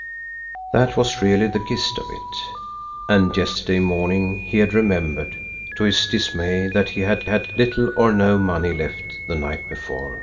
That was really the gist of it. And yesterday morning he had remembered, to his dismay, that he had had little or no money left the night before.